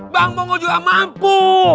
bang mongol juga mampu